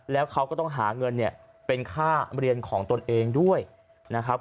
แล้วเขาก็ต้องหาเงินเนี่ยเป็นค่าเรียนของตนเองด้วยนะครับ